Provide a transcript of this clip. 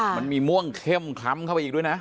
มันมีม่วงเข้มคล้ำเข้าไปอีกด้วยนะ